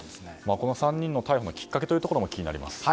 この３人の逮捕のきっかけも気になります。